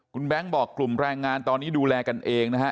คุณแบงค์บอกกลุ่มแรงงานตอนนี้ดูแลกันเองนะฮะ